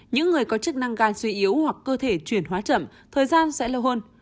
những người có chức năng gan suy yếu hoặc cơ thể chuyển hóa chậm thời gian sẽ lâu hơn